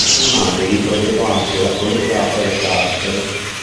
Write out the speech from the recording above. Il Manni vi progettò anche la Collegiata e le Carceri.